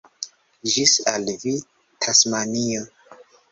Ĝis al vi, Tasmanio!